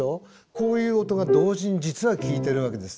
こういう音が同時に実は聴いてるわけです。